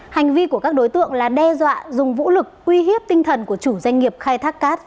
hành vi của các đối tượng là đe dọa dùng vũ lực uy hiếp tinh thần của chủ doanh nghiệp khai thác cát